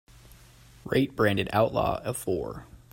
rate Branded Outlaw a four